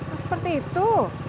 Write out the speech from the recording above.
oh seperti itu